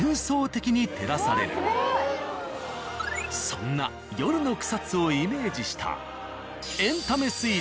そんな夜の草津をイメージした。